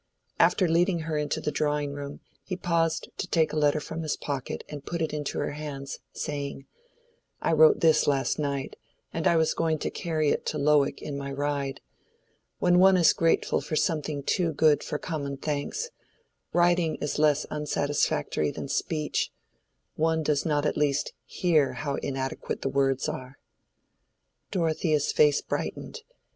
After leading her into the drawing room, he paused to take a letter from his pocket and put it into her hands, saying, "I wrote this last night, and was going to carry it to Lowick in my ride. When one is grateful for something too good for common thanks, writing is less unsatisfactory than speech—one does not at least hear how inadequate the words are." Dorothea's face brightened.